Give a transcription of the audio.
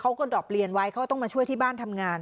ก็ได้ดอกเรียนไว้เขาต้องมาช่วยที่บ้านทำงาน